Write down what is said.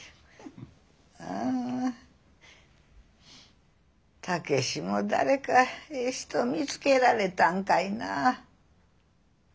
ああ武志も誰かええ人見つけられたんかいな。